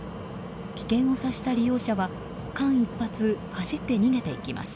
危険を察した利用者は間一髪、走って逃げていきます。